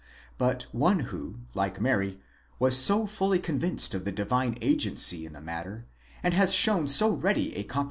But one who, like Mary, was so fully convinced of the divine agency in the matter, and had shown so ready a 4 Protev.